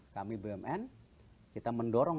kami bumn kita mendorong